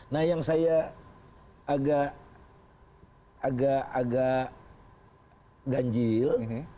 nah yang saya agak ganjil